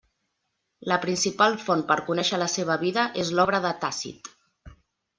La principal font per conèixer la seva vida és l'obra de Tàcit.